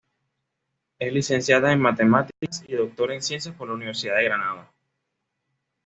Es licenciada en Matemáticas y doctora en Ciencias por la Universidad de Granada.